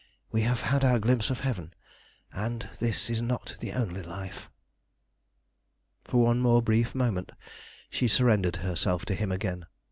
We have had our glimpse of heaven, and this is not the only life." For one more brief moment she surrendered herself to him again.